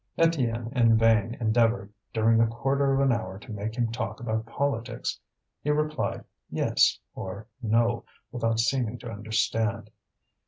Étienne in vain endeavoured during a quarter of an hour to make him talk about politics. He replied "yes" or "no" without seeming to understand.